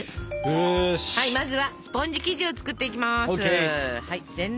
まずはスポンジ生地を作っていきます。